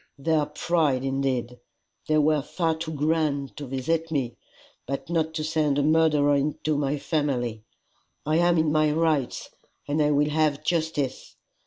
Their pride indeed! They were far too grand to visit me, but not to send a murderer into my family. I am in my rights, and I will have justice.